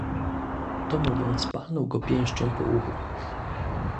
"To mówiąc palnął go pięścią po uchu."